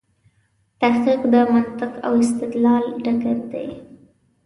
تحقیق د منطق او استدلال ډګر دی.